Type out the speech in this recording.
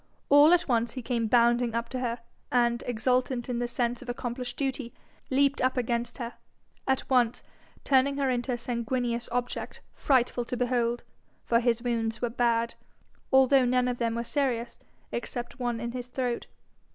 All at once he came bounding up to her, and, exultant in the sense of accomplished duty, leaped up against her, at once turning her into a sanguineous object frightful to behold; for his wounds were bad, although none of them were serious except one in his throat.